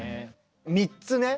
３つね